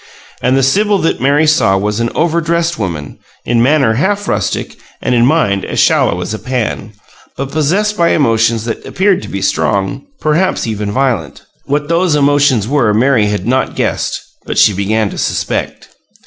And the Sibyl that Mary saw was an overdressed woman, in manner half rustic, and in mind as shallow as a pan, but possessed by emotions that appeared to be strong perhaps even violent. What those emotions were Mary had not guessed, but she began to suspect.